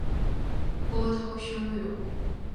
波涛汹涌